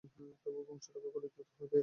তবু বংশরক্ষা করিতে তো হইবে।